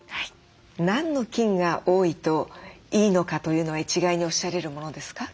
何の菌が多いといいのかというのは一概におっしゃれるものですか？